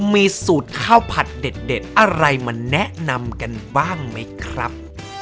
มีสูตรข้าวผัดเด็ดอะไรมาแนะนำกันบ้างไหมครับ